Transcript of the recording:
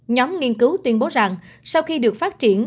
nhóm nghiên cứu tuyên bố rằng sau khi được phát triển